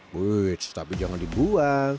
but tapi jangan dibuang